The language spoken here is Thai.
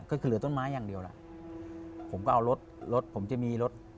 ก็คือเหลือต้นไม้อย่างเดียวล่ะผมก็เอารถรถผมจะมีรถ